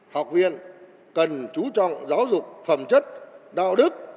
học viên cần trú trọng giáo dục phẩm chất đạo đức